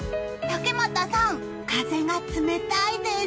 竹俣さん、風が冷たいです。